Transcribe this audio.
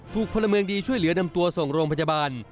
พลเมืองดีช่วยเหลือนำตัวส่งโรงพยาบาล